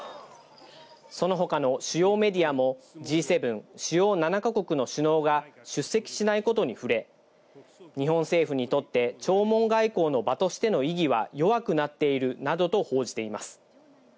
そのほかの主要メディアも、Ｇ７・主要７か国の首脳が出席しないことに触れ、日本政府にとって、弔問外交の場としての意義は弱くなっているなどと報じています。